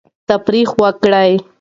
تفریح وکړئ.